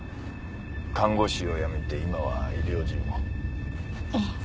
看護師を辞めて今は医療事務を。